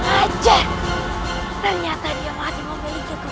kau adalah sumber malapetaka di panjajara